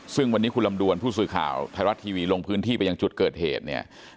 ซึ่งวันนี้คุณลำดวนผู้สื่อข่าวไทยรัฐทีวีลงพื้นที่ไปยังจุดเกิดเหตุเนี่ย